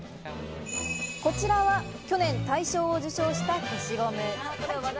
こちらは去年大賞を受賞した消しゴム。